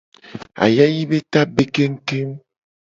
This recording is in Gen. Ayayi be ta be kengu kengu.